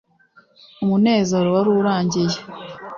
umunezero wari urangiye,